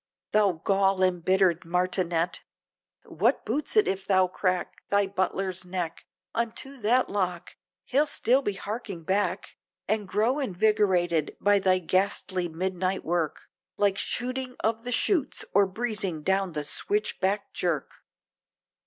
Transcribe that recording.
Thou gall embittered martinet! What boots it if thou crack Thy butler's neck? Unto that lock, he'll still be harking back, And grow envigorated, by thy ghastly midnight work, Like shooting of the chutes, or breezing down the switchback jerk!